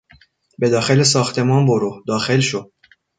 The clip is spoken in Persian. به داخل ساختمان برو! داخل شو!